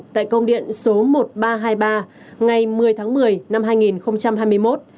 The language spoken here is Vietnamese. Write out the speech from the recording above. tại công điện số một nghìn ba trăm hai mươi ba ngày một mươi tháng một mươi năm hai nghìn hai mươi một